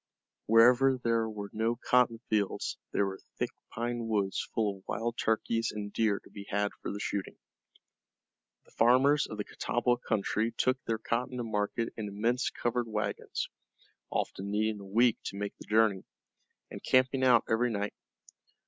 Wherever there were no cotton fields there were thick pine woods full of wild turkeys and deer to be had for the shooting. The farmers of the Catawba country took their cotton to market in immense covered wagons, often needing a week to make the journey, and camping out every night.